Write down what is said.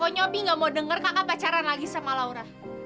apinya opi gak mau denger kakak pacaran lagi sama laura